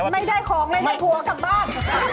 ไม่ได้ของเลยนะผัวกลับบ้าน